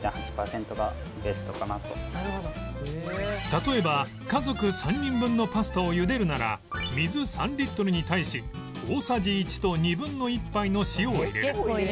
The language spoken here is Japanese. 例えば家族３人分のパスタをゆでるなら水３リットルに対し大さじ１と２分の１杯の塩を入れる